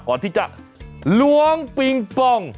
ก่อนที่จะล้วงปิงปอง